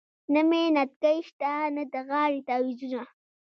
نه مې نتکې شته نه د غاړې تعویذونه .